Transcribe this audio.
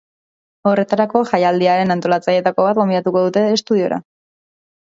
Horretarako, jaialdiaren antolatzaileetako bat gonbidatuko dute estudiora.